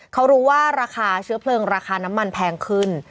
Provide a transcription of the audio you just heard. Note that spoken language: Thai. เขารู้ว่าราคาเชื้อเพลิงราคาน้ำมันแพงขึ้น